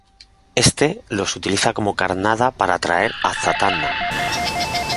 Este los utiliza como carnada para atraer a Zatanna.